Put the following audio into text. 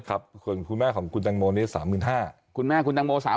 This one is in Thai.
ครับคุณแม่ของคุณแตงโมนี่๓๕๐๐๐บาท